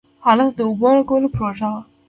هلته د اوبو لگولو پروژه وه.